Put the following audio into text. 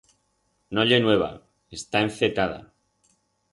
No ye nueva, está encetada.